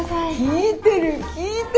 聞いてる聞いてる。